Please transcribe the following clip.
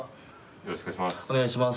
よろしくお願いします。